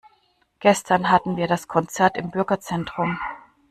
Gestern hatten wir das Konzert im Bürgerzentrum.